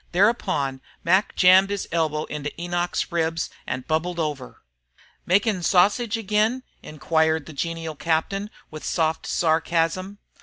Thereupon Mac jammed his elbow into Enoch's ribs and bubbled over. "Makin' sausage agin?" inquired the genial captain, with soft sarcasm.